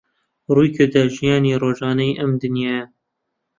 ڕوویکردە ژیانی ڕۆژانەی ئەم دنیایە